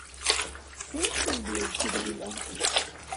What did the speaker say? Сен-сен биубсири ил анцӀбукь?